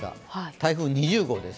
台風２０号です。